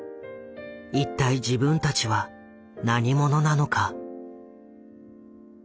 一体自分たちは何者なのか。